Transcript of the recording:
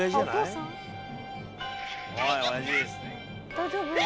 「大丈夫か？」